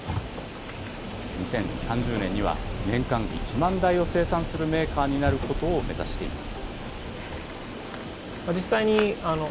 ２０３０年には、年間１万台を生産するメーカーになることを目指しています。